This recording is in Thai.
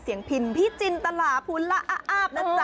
เสียงผินพี่จินตราภูนละอ้าบนะจ๊ะ